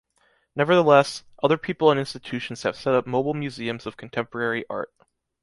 Nevertheless, other people and institutions have set up mobile museums of contemporary art.